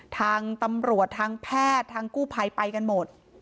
ทางตำรวจทางแพทย์ทางกู้ภัยไปกันหมด